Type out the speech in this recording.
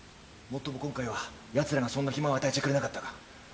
もっとも今回はやつらがそんな暇を与えちゃくれなかったが。